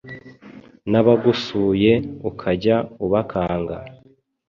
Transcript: Nabagusuye ukajya ubakanga